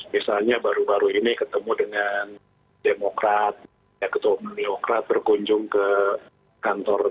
misalnya baru baru ini ketemu dengan demokrat dan ketua pemilihokrat berkunjung ke kantor nasdem